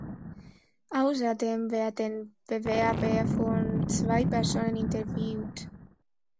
Außerdem werden Bewerber von zwei Personen interviewt.